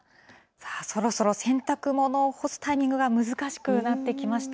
そろそろ洗濯物を干すタイミングが難しくなってきました。